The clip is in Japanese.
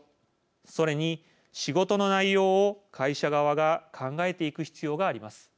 それに仕事の内容を会社側が考えていく必要があります。